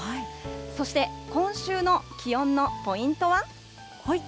そして、今週の気温のポイントは。